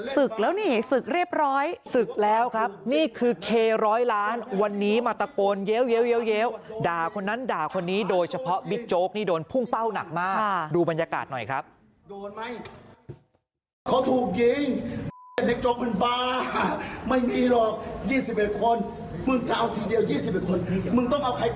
มึงจะเอาทีเดียว๒๑คนมึงต้องเอาใครก่อน